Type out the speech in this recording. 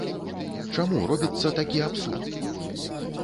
Чаму робіцца такі абсурд?